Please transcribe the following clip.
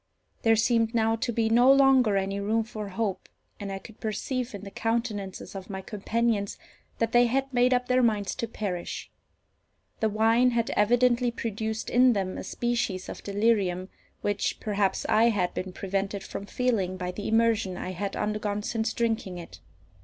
There seemed now to be no longer any room for hope, and I could perceive in the countenances of my companions that they had made up their minds to perish. The wine had evidently produced in them a species of delirium, which, perhaps, I had been prevented from feeling by the immersion I had undergone since drinking it.